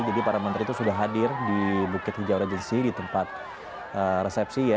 jadi para menteri itu sudah hadir di bukit hijau regency di tempat resepsi ya